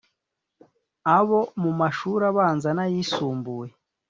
abo mu mashuri abanza n’ayisumbuye.